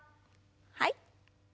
はい。